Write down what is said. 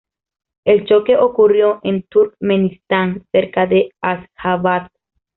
El choque ocurrió en Turkmenistán, cerca de Asjabad.